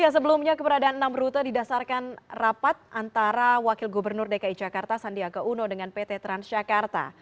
sebelumnya keberadaan enam rute didasarkan rapat antara wakil gubernur dki jakarta sandiaga uno dengan pt transjakarta